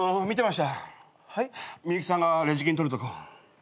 ミユキさんがレジ金取るとこ。